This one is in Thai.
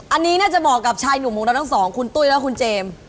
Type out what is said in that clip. อันนี้น่าจะเหมาะกับชายหนุ่มของเราทั้งสองคุณตุ้ยและคุณเจมส์